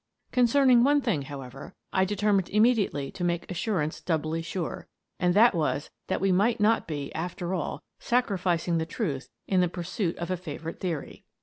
Concerning one thing, however, I determined immediately to make assurance doubly sure, and that was that we might not be, after all, sacrificing the truth in the pursuit of a favourite theory.